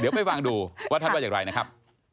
เดี๋ยวไปฟังดูว่าท่านว่าอย่างไรนะครับ